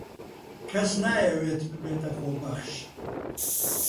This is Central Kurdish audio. کەس نایەوێت ببێتە خۆبەخش.